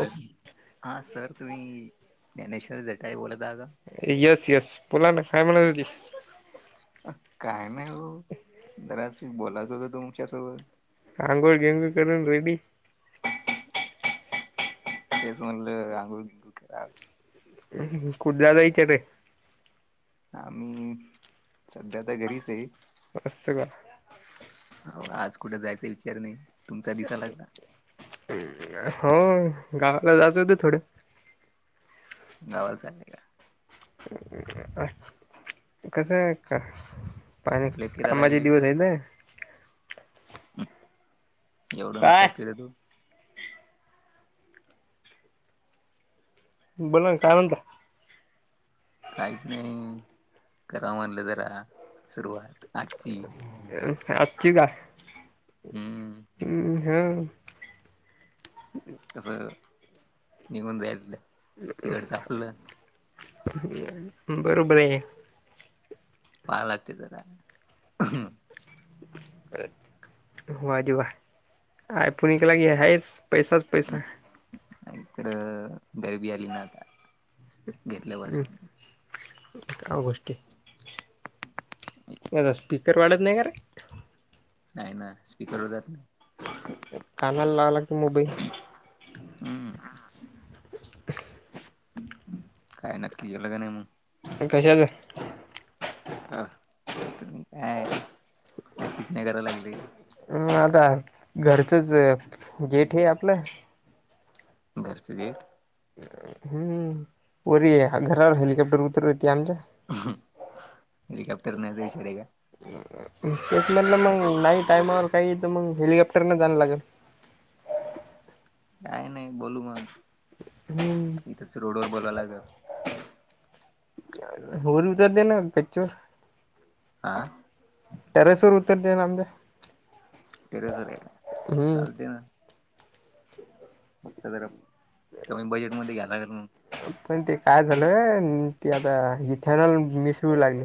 Hello हां sir तुम्ही ज्ञानेश्वर जटाई बोलत आह का येस येस बोला ना खाय म्हणा जी काय नाही हो जराचं बोलायचं होत तुमच्यासोबत आंघोळ गिगोड कडून रेडी तेस म्हणलं आंघोळ गिंगोड कराल कुद्याला येत ते आम्ही सध्या तर घरीच आहे असं का हो आज कुठे जायचा विचार नाही तुमचा दिसा लागला हो गावाला जाात होते थोडे गावाला चालले का कसं का पाणी लय फिरायला कामाचे लागले दिवस आहेतेत एवढं काय नसत केलं तू बोला ना काय म्हता काहीच नाही करा म्हणलं जरा सुरुवात आजची आ ठी का हम्म हा तस निघून जायच तिकड सापलं बरोबर आहे पहायला लागते जरा हो देवा आपुन के लागी आहेच पैसाच पैसाा इकड गर्बी अली न आता घेतलं बस का गोष्टी स्पीकर वाढत नाही का रे नाही ना स्पीकरवर जात नाही कानाला लाव लागते मोबाईल हम्म काय नक्की केलं का नाही मग कशाच अ तु काय नक्कीच नाही करावला लागले आता घरचंच गेट हे आपलं घरची गेट हम्म परी घरावर हेलिकप्टर उतर यती आमच्या हेलिकॉप्टरने अस विचार का? तेच म्हधलं मग नाही टामावर काही तर मग हेलिकॉप्टर न जायला लागेल. काय नाही बोलू मग हम्म. इथंच रोड व बोलावला लागल. [unintelligible] आह. टेरेसवर उत्तर दे ना बे टेरेस वर आहे चालते हम्म ना. फक्त तर कमी बजेटमध्येध्ये घ्याला लागेल मग पण ते काय झालं ते आता इथेनॉल मिसळू लागलं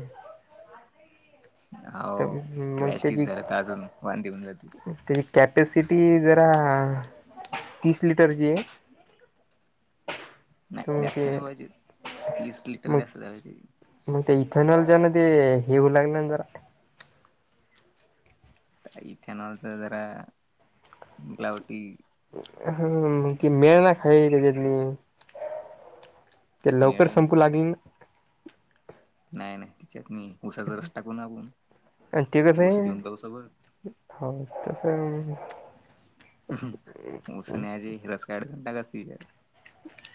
तर हो मग क्रॅश किट त्याची झालं तर अजून वांदे होऊन जातील त्याची कॅपॅसिटी जरा तीस लिटरची आहे तर नाही मग द्यास्त ते नाही पाहिजे तीस लिटर मग द्यास्त द पाहिज मग ते इथेनॉलच्या न येऊ लागले ना जरा इथेनॉलच जरा मिलावटी ह कि मेळना खाय त्याच्यात ते लवकर मेळ संपू लागेल नाही नाही तिच्यात नाही उसाचा रस टाकून आपण आणि ते कसं ऊस घेऊन जाऊ सोबत आहे हो तस. उऊसण्याची हिरस काढसणटाकसते विचार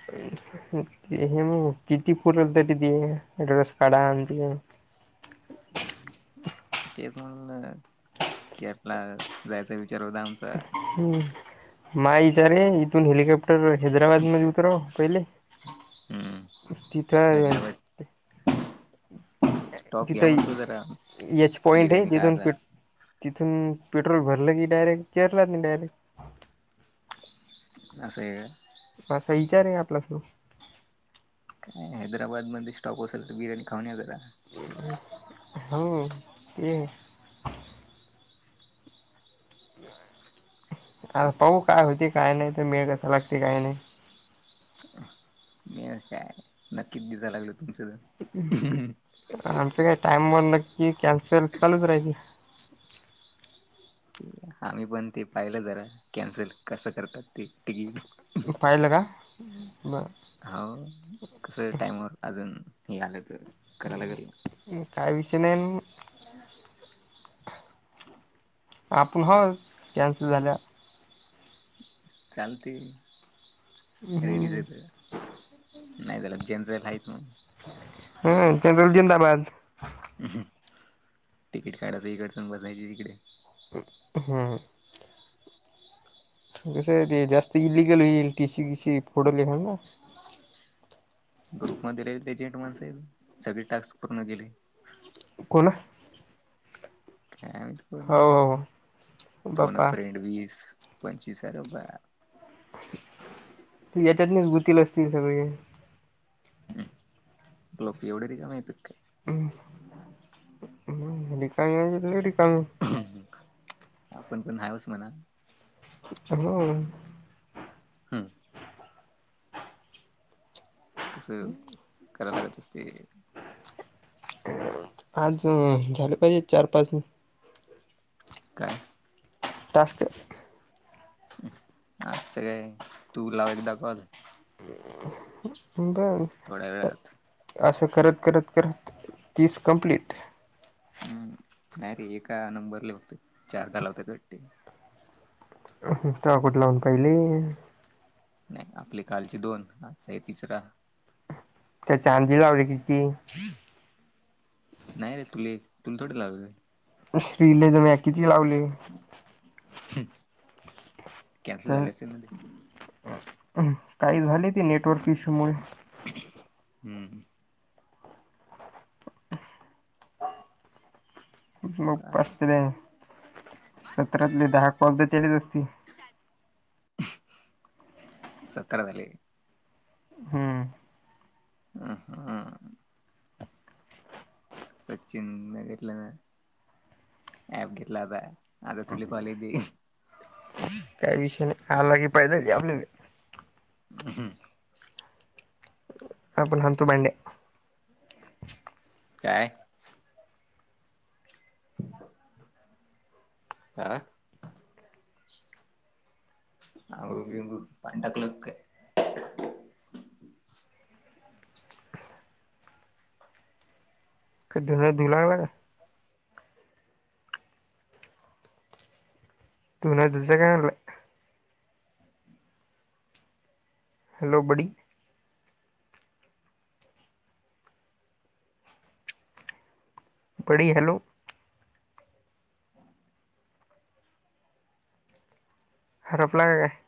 हे मग किती पुरल तरी ते ॲड्रेस काढा आणि त तेच म्हणलं की आपला जायचा विचार होता आमचा हम् मा इथ रे इथून हेलिकॉप्टर टर हैदराबादमध्ये उतराव पहिले हम्म तिथं. हैदराबाद स्टॉप घ्या तिथं म्हणतो जरा एच पॉइंट आहे बिर्याणी जिथून खायचा प तिथून पेट्रोल भरलं की डायरेक्ट केरळमध्ये नाही डायरेक्ट अससें. मा असा विचार आहे आपला सुरू. काय हैदराबादमध्ये स्टॉक असेल तर बिर्याणी खाऊन जरा ह ये. अ पाऊ काय होती काय नाही त मिळ कसं लागते काय नाही. मी का नक्कीच दिसायला लागलो तुमचं जर टाइमवरलं की कॅन्सेल चालूच राहायची. ते आम्ही पण ते पाहिलं जरा कॅन्सल कसं करतात ते तिकीट पाहीले का बरं. हो कसं टाइमवर अजून हे आलं तर करायला लागेल काय विषय नाही. आपण ह कॅनसल झाल्या. चालते रेडी हम्म जते. नाही त्याला जेनरल आहेच मग हम त्यां जिंदाबाद तिकीट काढायचं इकडचण बसायची तिकडे हां. ते जास्त इलिगल होईल टिसी किसी फोटो लेखण ना. ग्रुपमध्ये राहील एजेंट माणईल सगळे टास्क पूर्ण केले. कल णी हो हो पन बाप्पा फ्रेंड वीस पंचवीस अरबा त याच्यातनेच गुतीील असतील सगळे. लोक एवढे र का मा त काय? ह. इक जि इ का? आपण पण न्हाय होच म्हणा हो. हूं कसं कराय लागत असते. आज झालं पाहिजेत चार पाच काय? टास्क आजच काय तू लाव एकदा कर. [inaudible] [unintelligible] थोड्या वेळात असं करत करत करत तीस कं्प्लीट. हम्म नाही रे एका नंबर लिवत चार झाला होताटी टकट लावून पाहिले. नाय आपले कालचे दोन आणि आजचा आहे तिसरा त्या चांदी लावली की ती नाय रे तुले तुल थोडीच लावलेलेय श्री ला त म्या किती लावले. कॅन्सल तर झाले असतिल ना ते. काही झाले ते नेटवर्क इश्यू मुळे हम् म पाच काय तरी सतरातले दहा कॉल त त्यालेच असतील. सतरा झाले. हम्म अं हं सचिन नं घेतलं नं ऍप घेतला ऍपा आता तुले कॉल येतील. काय विषय नाय आला की फायदाचं ये आपल्याला हं आपण हाणतो बंड्या काय? हां अंगुळ बिंगुळ पाणी टाकलं कं काय कं ढ दिलाय बघा न्हाय तुझ काय नाय हॅलो बडी बडी हॅलो हरपला का काय